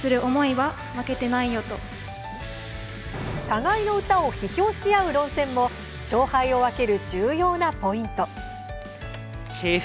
互いの歌を批評し合う論戦も勝敗を分ける重要なポイント。